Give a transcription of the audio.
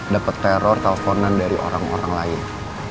dapet teror telponan dari orang orang lain